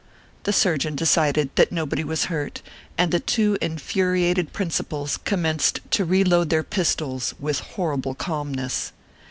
The surgeon decided that nobody was hurt ; and the two infuriated principals commenced to reload their pistols, with horrible calmness.